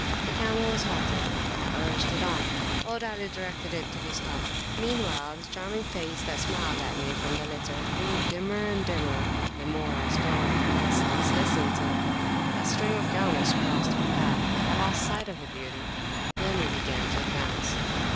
The camel was halted. I urged it on: old Ali directed it to be stopped. Meanwhile the charming face that smiled at me from the litter grew dimmer and dimmer; the more I stormed, the less I was listened toa string of camels crossed our pathI lost sight of the beauty. Then we began to advance.